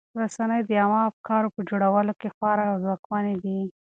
رسنۍ د عامه افکارو په جوړولو کې خورا ځواکمنې دي.